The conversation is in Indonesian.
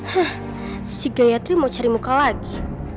hah si gayatri mau cari muka lagi